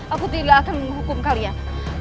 aku tidak akan menghukum kalian